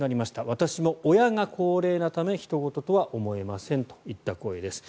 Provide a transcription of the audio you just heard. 私も親が高齢なためひと事とは思えませんといった声です。